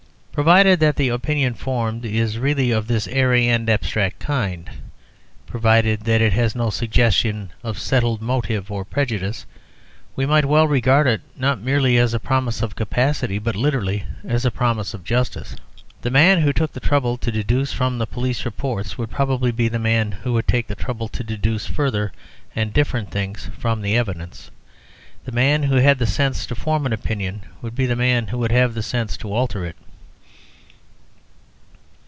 Provided that the opinion formed is really of this airy and abstract kind, provided that it has no suggestion of settled motive or prejudice, we might well regard it not merely as a promise of capacity, but literally as a promise of justice. The man who took the trouble to deduce from the police reports would probably be the man who would take the trouble to deduce further and different things from the evidence. The man who had the sense to form an opinion would be the man who would have the sense to alter it.